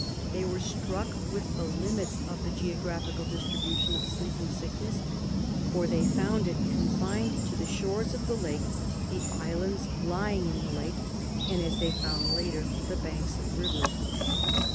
They were struck with the limits of the geographical distribution of sleeping sick ness, for they found it confined to the shores of the lake, the islands lying in the lake, and, as they found later, the banks of rivers.